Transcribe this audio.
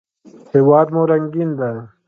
هېواد مو رنګین دی